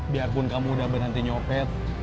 biarpun kamu udah berhenti nyopet